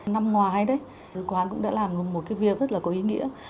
năm ngoái đấy sứ quán cũng đã làm được một cái việc rất là có ý nghĩa